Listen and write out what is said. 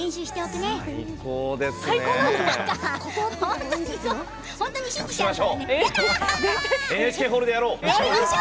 ＮＨＫホールでやろう！